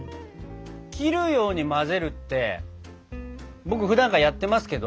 「切るように混ぜる」って僕ふだんからやってますけど。